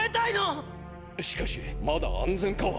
しかしまだ安全かは。